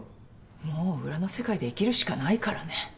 もう裏の世界で生きるしかないからね。